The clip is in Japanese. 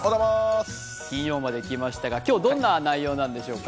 金曜まで来ましたが、今日、どんな内容なんでしょうか？